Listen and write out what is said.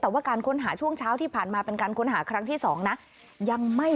แต่ว่าการค้นหาช่วงเช้าที่ผ่านมาเป็นการค้นหาครั้งที่๒นะยังไม่